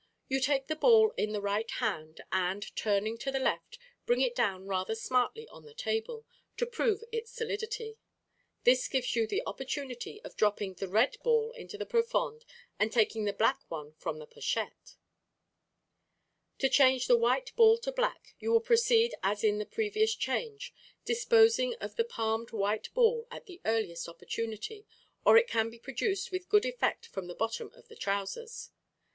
—You take the ball in the right hand, and, turning to the left, bring it down rather smartly on the table, to prove its solidity. This gives you the opportunity of dropping the red ball into the profonde and taking the black one from the pochette. To change the white ball to black, you will proceed as in the previous change, disposing of the palmed white ball at the earliest opportunity, or it can be produced with good effect from the bottom of the trousers.